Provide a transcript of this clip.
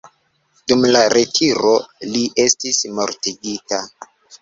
Dum la retiro, li estis mortigita.